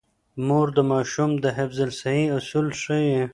مور د ماشوم د حفظ الصحې اصول ښيي.